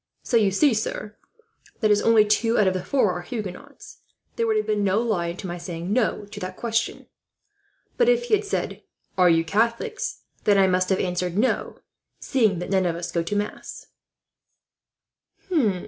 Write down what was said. So you see, sir, that as only two out of the four are Huguenots, there would have been no lie to my saying 'no' to that question. But if he had said 'Are you Catholics?' I must have answered 'No,' seeing that none of us go to mass."